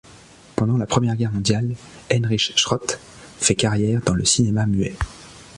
Pendant la Première Guerre mondiale, Heinrich Schroth fait carrière dans le cinéma muet.